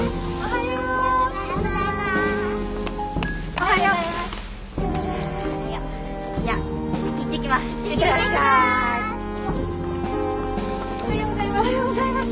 おはようございます。